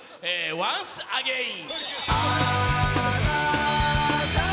ワンス・アゲイン。